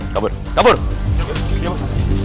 kabur kabur kabur